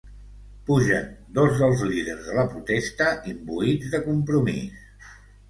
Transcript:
Pugen dos dels líders de la protesta, imbuïts de compromís.